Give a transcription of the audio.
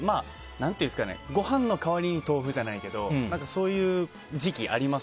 ご飯の代わりに豆腐じゃないけどそういう時期、僕もあります。